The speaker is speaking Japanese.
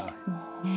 ねえ。